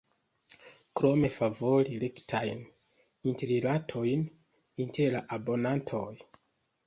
Krome, favori rektajn interrilatojn inter la abonantoj.